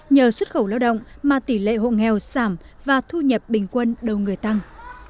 nhờ xuất khẩu lao động mà tỷ lệ hộ nghèo giảm và thu nhập bình quân đầu người tăng